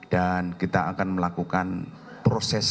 dan kita akan melakukan proses